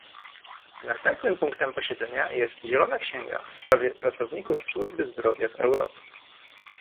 Następnym punktem posiedzenia jest zielona księga w sprawie pracowników służby zdrowia w Europie